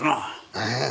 ええ。